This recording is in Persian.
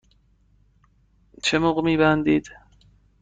چه موقع می بندید؟